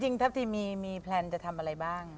จริงทัพทิมมีแพลนจะทำอะไรบ้าง